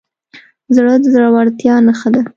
زړه د زړورتیا نغمه ده.